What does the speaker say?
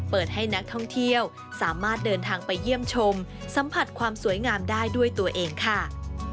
เปิดให้นักท่องเที่ยวสามารถเดินทางไปเยี่ยมชมสัมผัสความสวยงามได้ด้วยตัวเองค่ะ